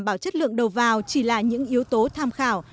bảo chất lượng đầu vào chỉ là những yếu tố tham khảo